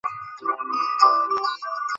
আমি ঐ গর্তটি দেখি, যেখানে তুমি রোজ দাঁড়াও।